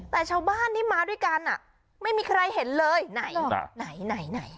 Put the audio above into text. แต่ชาวบ้านที่มาด้วยกันไม่มีใครเห็นเลยไหนไหน